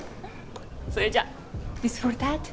それじゃ。